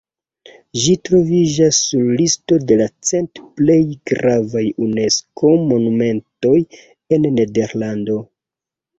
Ĝi troviĝas sur listo de la cent plej gravaj Unesko-monumentoj en Nederlando.